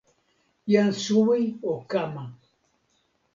jan suwi o kama.